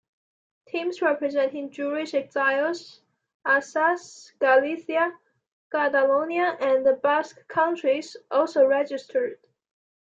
Teams representing Jewish exiles, Alsace, Galicia, Catalonia and the Basque Country also registered.